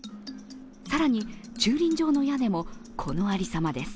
更に駐輪場の屋根も、このありさまです。